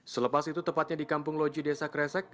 selepas itu tepatnya di kampung loji desa kresek